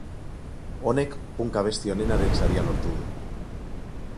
Honek punk abesti onenaren saria lortu du.